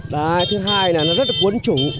đấy thứ hai là nó rất là quấn chủng